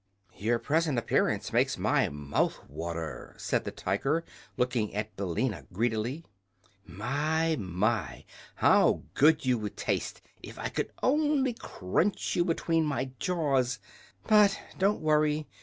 "Your present appearance makes my mouth water," said the Tiger, looking at Billina greedily. "My, my! how good you would taste if I could only crunch you between my jaws. But don't worry.